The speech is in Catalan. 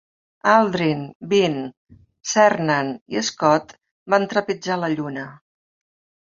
Aldrin, Bean, Cernan i Scott van trepitjar la Lluna.